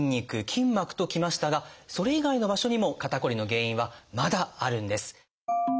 「筋膜」ときましたがそれ以外の場所にも肩こりの原因はまだあるんです。